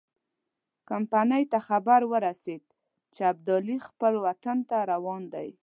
کمپنۍ ته خبر ورسېد چې ابدالي خپل وطن ته روان دی.